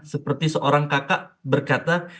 seperti seorang kakak berkata